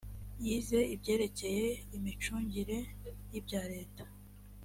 yize ibyerekeye imicungire y‘ibya leta